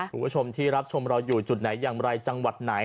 คุณผู้ชมที่รับชมเราอยู่จุดไหนอย่างไรจังหวัดไหน